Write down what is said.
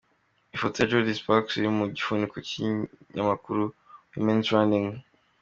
Ifoto ya Jordin Sparks iri ku gifuniko cyikinyamakuru Womens Running,.